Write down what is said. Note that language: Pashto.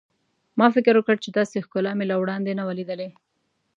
ما فکر وکړ چې داسې ښکلا مې له وړاندې نه وه لیدلې.